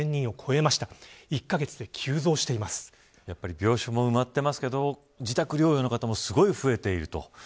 やっぱり病床も埋まってますけど自宅療養の方もすごく増えていると。